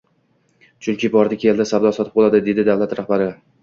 Chunki bordi-keldi, savdo-sotiq bo‘ladi”, — dedi davlat rahbari